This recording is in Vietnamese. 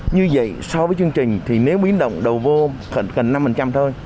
như vậy so với chương trình thì nếu biến động đầu vô gần năm thôi